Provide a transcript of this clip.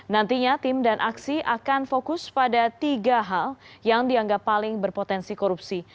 nantinya tim dan aksi akan fokus pada tiga hal yang dianggap paling berpotensi korupsi